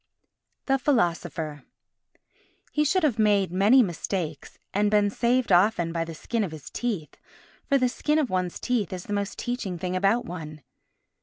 The Philosopher He should have made many mistakes and been saved often by the skin of his teeth, for the skin of one's teeth is the most teaching thing about one.